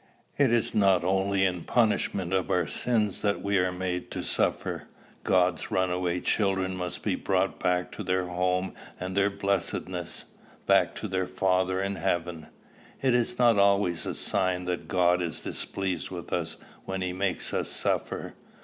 It is not only in punishment of our sins that we are made to suffer: God's runaway children must be brought back to their home and their blessedness, back to their Father in heaven. It is not always a sign that God is displeased with us when he makes us suffer.